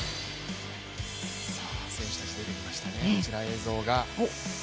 選手たち出てきましたね、映像が。